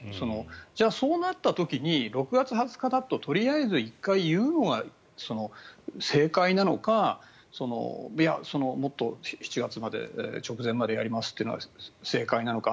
じゃあそうなった時に６月２０日だととりあえず１回言うのは正解なのか、もっと７月まで直前までやりますというのが正解なのか。